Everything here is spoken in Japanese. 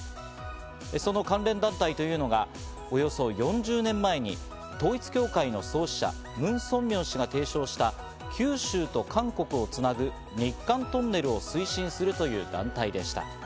その関連団体というのがおよそ４０年前に統一教会の創始者、ムン・ソンミョン氏が提唱した九州と韓国をつなぐ日韓トンネルを推進するという団体でした。